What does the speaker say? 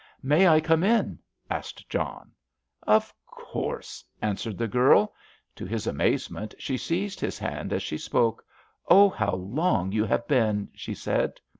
"May I come in?" asked John. "Of course," answered the girl. To his amazement, she seized his hand as she spoke. "Oh, how long you have been!" she said.